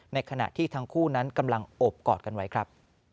ในขณะที่ทั้งคู่นั้นกำลังโอบกอดกันไว้ครับ